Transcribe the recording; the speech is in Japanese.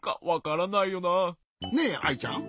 ねえアイちゃん。